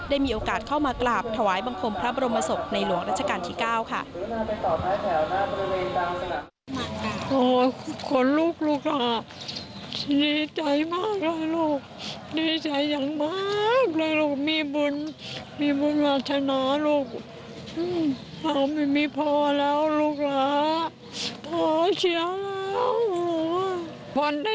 ได้มีโอกาสเข้ามากราบถวายบังคมพระบรมศพในหลวงราชการที่๙ค่ะ